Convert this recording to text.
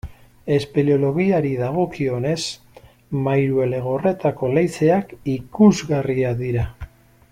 Espeleologiari dagokionez, Mairuelegorretako leizeak ikusgarriak dira.